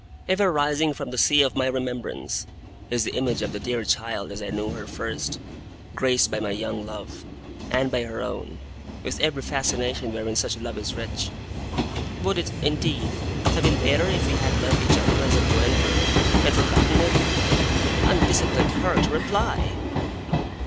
Ever rising from the sea of my remembrance, is the image of the dear child as I knew her first, graced by my young love, and by her own, with every fascination wherein such love is rich. Would it, indeed, have been better if we had loved each other as a boy and a girl, and forgotten it? Undisciplined heart, reply!